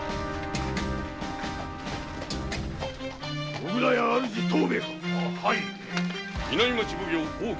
小倉屋藤兵衛か？